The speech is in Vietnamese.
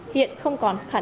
hiện không còn khả năng